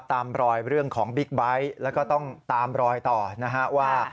ตามรอยเรื่องของบิ๊กไบท์แล้วก็ต้องตามรอยต่อนะฮะว่า